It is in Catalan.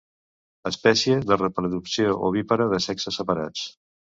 Espècie de reproducció ovípara, de sexes separats.